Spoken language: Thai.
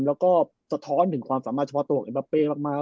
แล้วก็สะท้อนถึงความสามารถเฉพาะตัวของเอ็มบาเป้มาก